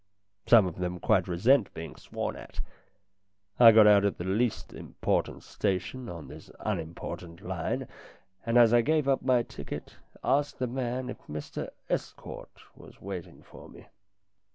Some of them quite resent being sworn at. I got out at the least important station on this un important line, and as I gave up my ticket, asked the man if Mr Estcourt was waiting for me.